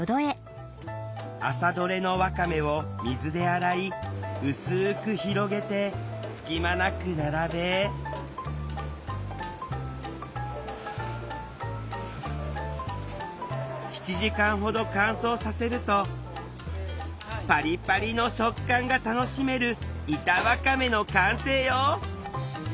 朝採れのわかめを水で洗い薄く広げて隙間なく並べ７時間ほど乾燥させるとパリパリの食感が楽しめる板わかめの完成よ！